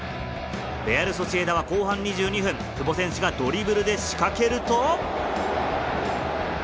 レアル・ソシエダは後半２２分、久保選手がドリブルで仕掛けると。